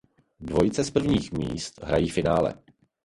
Dvojice z prvních míst hrají finále.